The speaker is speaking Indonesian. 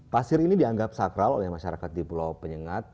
pasir ini dianggap sakral oleh masyarakat di pulau penyengat